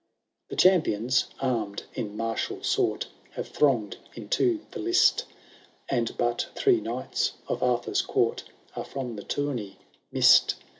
The champions, arm*d in martial sort, Have thronged into the list. And but three knights of Arthur's court Are from the tourney miss'd.